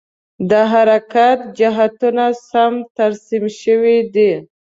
د حرکت جهتونه سم ترسیم شوي دي؟